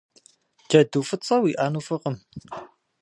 Джэду фӏыцӏэ уиӏэну фӏыкъым.